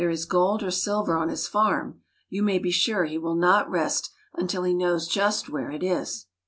is gold or silver on his farm, you may be sure he will not rest until he knows just where it is.